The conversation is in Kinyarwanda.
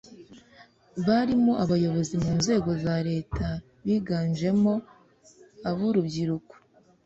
barimo abayobozi mu nzego za leta biganjemo ab’urubyiruko